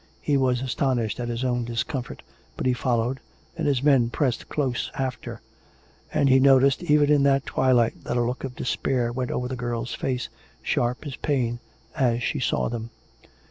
He was astonished at his own discomfort, but he followed, and his men pressed close after; and he noticed, even in that twi liglit, that a look of despair went over the girl's face, sharp as pain, as she saw them.